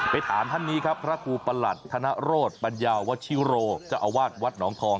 ถามท่านนี้ครับพระครูประหลัดธนโรธปัญญาวชิโรเจ้าอาวาสวัดหนองทอง